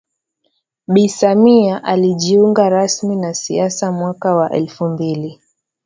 Bi Samia alijiunga rasmi na siasa mwaka wa elfu mbili